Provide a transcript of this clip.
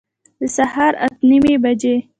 د سهار اته نیمي بجي